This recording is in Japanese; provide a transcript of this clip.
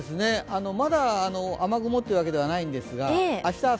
まだ雨雲っていうわけではないんですが明日